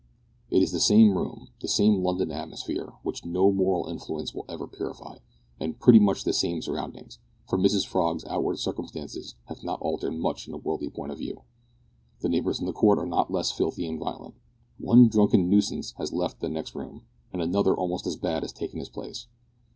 It is the same room, the same London atmosphere, which no moral influence will ever purify, and pretty much the same surroundings, for Mrs Frog's outward circumstances have not altered much in a worldly point of view. The neighbours in the court are not less filthy and violent. One drunken nuisance has left the next room, but another almost as bad has taken his place.